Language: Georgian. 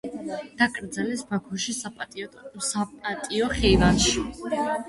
დაკრძალეს ბაქოში საპატიო ხეივანში.